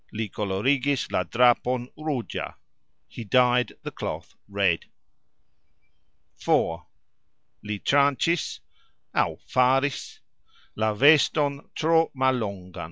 Li kolorigis la drapon rugxa. He dyed the cloth red. 4. Li trancxis (aux faris) la veston tro mallongan.